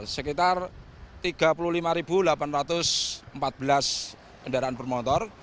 sekitar tiga puluh lima delapan ratus empat belas kendaraan bermotor